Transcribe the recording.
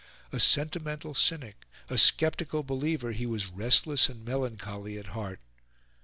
A sentimental cynic, a sceptical believer, he was restless and melancholy at heart.